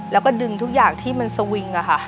แล้วก็ดึงทุกอย่างที่มันสวิงอะค่ะ